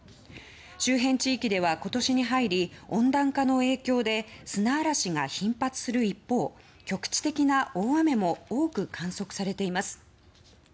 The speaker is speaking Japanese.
周辺地域では今年に入り温暖化の影響で砂嵐が頻発する一方局地的な大雨も多く観測されています。